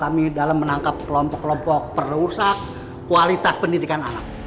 kami dalam menangkap kelompok kelompok perusahaan kualitas pendidikan anak